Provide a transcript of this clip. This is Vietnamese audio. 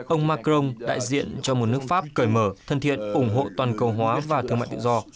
ông macron đại diện cho một nước pháp cởi mở thân thiện ủng hộ toàn cầu hóa và thương mại tự do